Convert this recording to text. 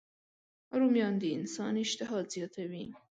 رومیان د انسان اشتها زیاتوي